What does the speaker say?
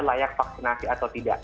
layak vaksinasi atau tidak